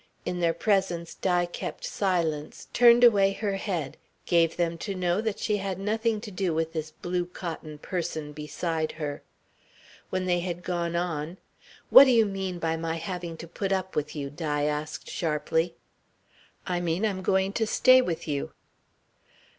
In their presence Di kept silence, turned away her head, gave them to know that she had nothing to do with this blue cotton person beside her. When they had gone on, "What do you mean by my having to put up with you?" Di asked sharply. "I mean I'm going to stay with you."